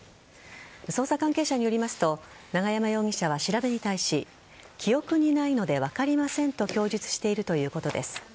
捜査関係者によりますと永山容疑者は調べに対し記憶にないので分かりませんと供述しているということです。